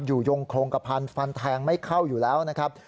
ยงโครงกระพันธ์ฟันแทงไม่เข้าอยู่แล้วนะครับ